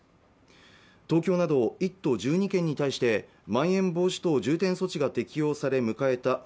東京など１都１２県に対してまん延防止等重点措置が適用され迎えた